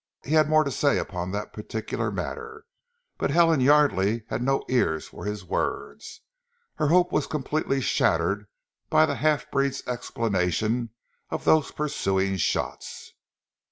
He had more to say upon that particular matter, but Helen Yardely had no ears for his words. Her hope was completely shattered by the half breed's explanation of those pursuing shots.